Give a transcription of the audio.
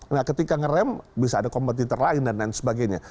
nah ketika ngerem bisa ada kompetitor lain dan lain sebagainya